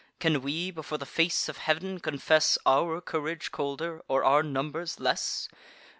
Can we, before the face of heav'n, confess Our courage colder, or our numbers less?